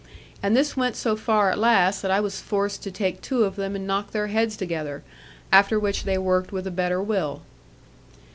And this went so far at last that I was forced to take two of them and knock their heads together; after which they worked with a better will.